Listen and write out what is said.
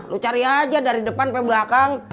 lu cari aja dari depan sampai belakang